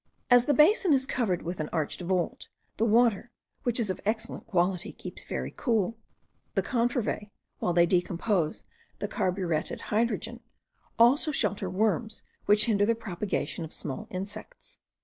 As the basin is covered with an arched vault, the water, which is of excellent quality, keeps very cool: the confervae, while they decompose the carburetted hydrogen, also shelter worms which hinder the propagation of small insects.